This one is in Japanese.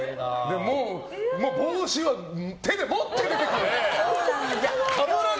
もう帽子を手で持って出てくるっていうね。